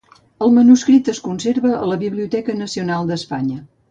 El manuscrit es conserva a la Biblioteca Nacional d'Espanya.